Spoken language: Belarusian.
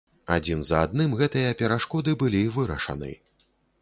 Адзін за адным гэтыя перашкоды былі вырашаны.